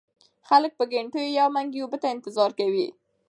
خلک په ګېنټو يو منګي اوبو ته انتظار کوي ـ